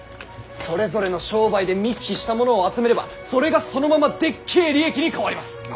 それぞれの商売で見聞きしたものを集めればそれがそのままでっけえ利益に変わります。